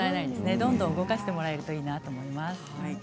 どんどん動かしてもらえるといいなと思います。